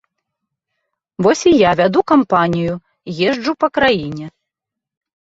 Вось я і вяду кампанію, езджу па краіне.